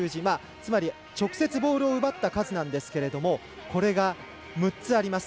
つまり直接ボールを奪った数なんですがこれが、６つあります。